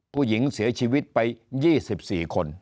ผู้หญิงเสียชีวิตไป๒๔คน